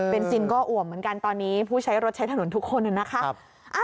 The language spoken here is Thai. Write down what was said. เป็นซินก็อ่วมเหมือนกันตอนนี้ผู้ใช้รถใช้ถนนทุกคนนะครับ